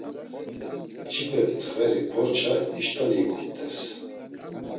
Mç̌ipe txveri porça, işt̆oni ikumt̆es.